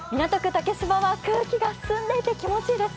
竹芝は空気が澄んでいて気持ちいいです。